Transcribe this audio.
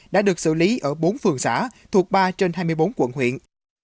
đã được xử lý ở bốn phường xã thuộc ba trên hai mươi bốn quận huyện